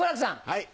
はい。